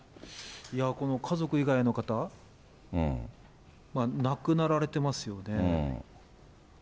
この家族以外の方は亡くなられてますよね。